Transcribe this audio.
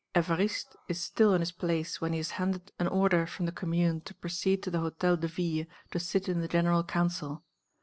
Évariste is still in his place when he is handed an order from the Commune to proceed to the Hôtel de Ville to sit in the General Council.